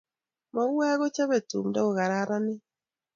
Mauiwek kochobe tumdo kukararanit.